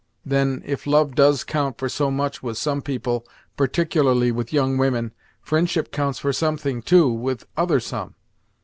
Then, if love does count for so much with some people, particularly with young women, fri'ndship counts for something, too, with other some.